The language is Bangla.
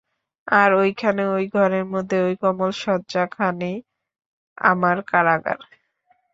আর ঐ খানে ঐ ঘরের মধ্যে ঐ কোমল শয্যা, খানেই আমার কারাগার।